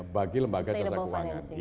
bagi lembaga jasa keuangan